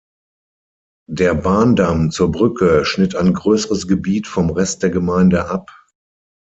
Der Bahndamm zur Brücke schnitt ein grösseres Gebiet vom Rest der Gemeinde ab.